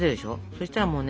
そしたらもうね。